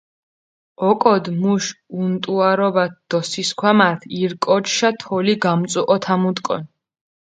ოკოდჷ მუშ უნტუარობათ დო სისქვამათ ირკოჩშა თოლი გამწუჸოთამუდუკონ.